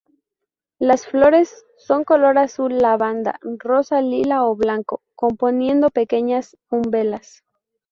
Las flores son color azul-lavanda, rosa, lila o blanco, componiendo pequeñas umbelas.